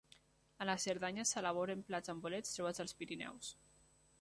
A la Cerdanya s'elaboren plats amb bolets trobats als Pirineus.